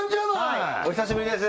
はいお久しぶりです